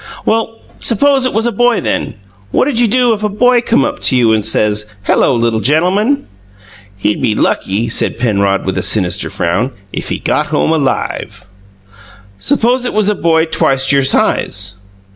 "Well, suppose it was a boy, then: what'd you do if a boy come up to you and says, 'Hello, little gentleman'?" "He'd be lucky," said Penrod, with a sinister frown, "if he got home alive." "Suppose it was a boy twice your size?"